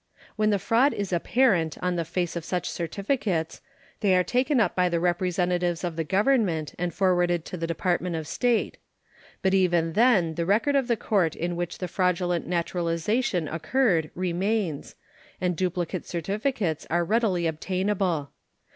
When the fraud is apparent on the face of such certificates, they are taken up by the representatives of the Government and forwarded to the Department of State. But even then the record of the court in which the fraudulent naturalization occurred remains, and duplicate certificates are readily obtainable.